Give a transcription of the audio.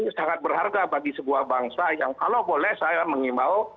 sangat berharga bagi sebuah bangsa yang kalau boleh saya mengimbau